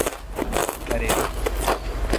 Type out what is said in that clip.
ہریرو